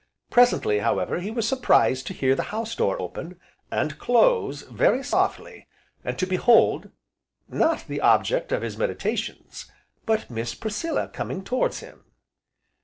Presently, however, he was surprised to hear the house door open, and close very softly, and to behold not the object of his meditations, but Miss Priscilla coming towards him.